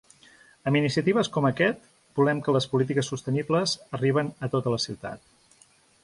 Amb iniciatives com aquest volem que les polítiques sostenibles arriben a tota la ciutat.